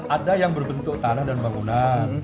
ada yang berbentuk tanah dan bangunan